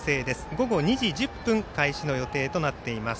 午後２時１０分開始の予定となっています。